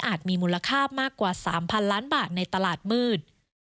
มีมูลค่ามากกว่า๓๐๐๐ล้านบาทในตลาดมืด